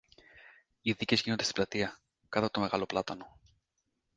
Οι δίκες γίνονται στην πλατεία, κάτω από το μεγάλο πλάτανο.